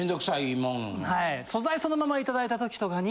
はい素材そのままいただいた時とかに。